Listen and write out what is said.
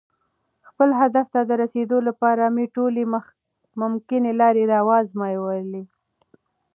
خپل هدف ته د رسېدو لپاره مې ټولې ممکنې لارې وازمویلې.